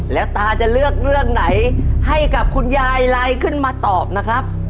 แล้วตาจะเลือกเรื่องไหนให้กับคุณยายไรขึ้นมาตอบนะครับ